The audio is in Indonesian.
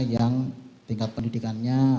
yang tingkat pendidikannya